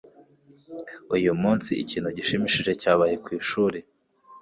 Uyu munsi, ikintu gishimishije cyabaye ku ishuri.